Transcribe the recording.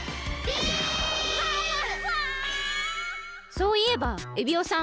そういえばエビオさん